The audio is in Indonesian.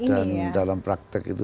dan sudah melakukan ini ya